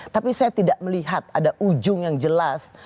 tapi saya tidak melihat ada ujung yang jelas